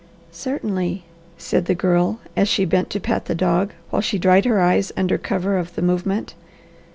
"Certainly!" said the Girl as she bent to pat the dog, while she dried her eyes under cover of the movement.